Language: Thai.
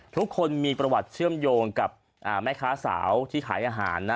ทุกคนมีประวัติเชื่อมโยงกับแม่ค้าสาวที่ขายอาหารนะ